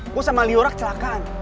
gue sama liora kecelakaan